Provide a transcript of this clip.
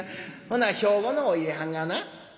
ほな兵庫のお家はんがな